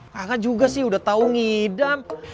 kangen juga sih udah tau ngidam